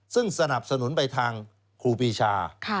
ซึ่งสนับสนุนไปทางครูปีชา